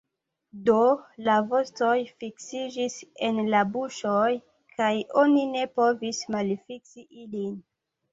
Do, la vostoj fiksiĝis en la buŝoj, kaj oni ne povis malfiksi ilin.